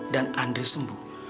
dan andri sembuh